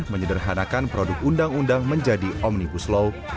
menyederhanakan produk undang undang menjadi omnibus law